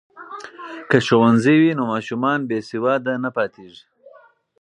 که ښوونځی وي نو ماشومان بې سواده نه پاتیږي.